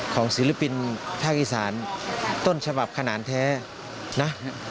ศิลปินภาคอีสานต้นฉบับขนาดแท้นะ